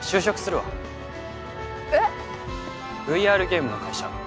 ＶＲゲームの会社